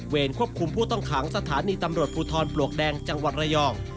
ควบคุมผู้ต้องขังสถานีตำรวจภูทรปลวกแดงจังหวัดระยอง